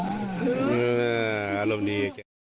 อะอารมณี